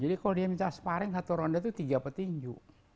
jadi kalau dia minta separing satu ronde itu tiga petinju